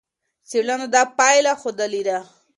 څېړنو دا پایله ښودلې ده.